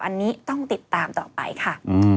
อันนี้ต้องติดตามต่อไปค่ะ